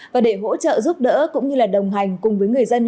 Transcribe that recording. và để hỗ trợ giúp đỡ cũng như là đồng hành cùng với người dân